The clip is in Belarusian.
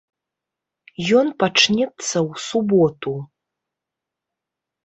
Ён пачнецца ў суботу.